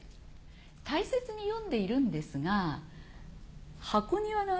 大切に読んでいるんですが。